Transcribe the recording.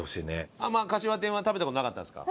あんまかしわ天は食べた事なかったですか？